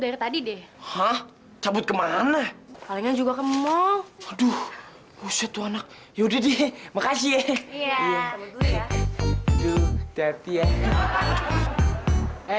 dari tadi deh hah cabut kemana palingan juga kemu aduh buset anak yaudah deh makasih ya